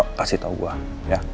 kasih tau gue ya